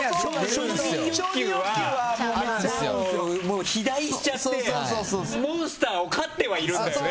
承認欲求は肥大しちゃってモンスターを飼ってはいるんだよね。